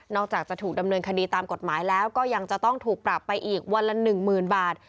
จากจะถูกดำเนินคดีตามกฎหมายแล้วก็ยังจะต้องถูกปรับไปอีกวันละ๑๐๐๐บาท